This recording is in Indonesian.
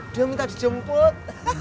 dia minta dijemput